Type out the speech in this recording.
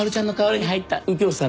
で右京さん